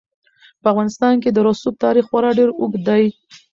په افغانستان کې د رسوب تاریخ خورا ډېر اوږد دی.